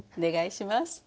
お願いします。